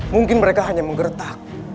mungkin mereka hanya menggertak